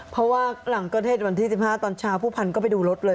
เพราะว่าหลังเกิดเหตุวันที่๑๕ตอนเช้าผู้พันก็ไปดูรถเลย